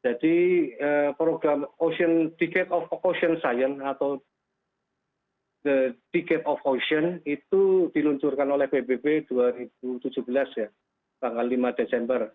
jadi program decade of ocean science atau decade of ocean itu diluncurkan oleh pbb dua ribu tujuh belas ya tanggal lima desember